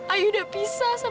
ayu udah pisah sama juan